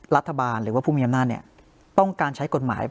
รัฐบาลหรือว่าผู้มีอำนาจเนี่ยต้องการใช้กฎหมาย